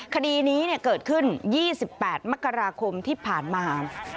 คดีนี้เกิดขึ้น๒๘มกราคมที่ผ่านมา